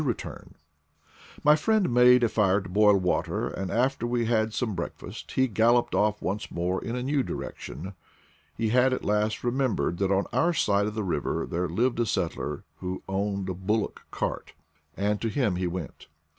To return. My friend made a fire to boil water, and after we had had some breakfast, he galloped off once more in a new direction; he had at last remembered that on our side of the river there HOW I BECAME AN IDLER 29 lived a settler who owned a bullock cart, and to him he went.